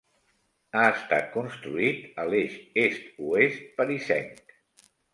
Ha estat construït a l'eix est-oest parisenc.